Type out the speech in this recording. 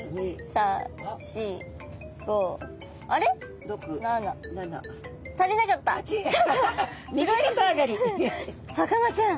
さかなクン！